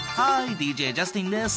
ＤＪジャスティンです。